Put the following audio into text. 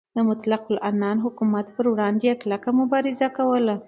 د مطلق العنان حکومت پروړاندې یې کلکه مبارزه کوله.